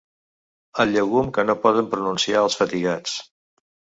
El llegum que no poden pronunciar els fatigats.